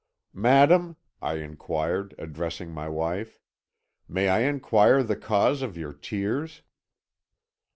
"'Madam,' I inquired, addressing my wife, 'may I inquire the cause of your tears?'